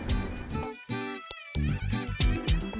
jalan tol transjawa